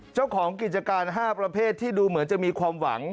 เจ้าของกิจการ๕ประเภทที่ดูเหมือนจะมีความหวัง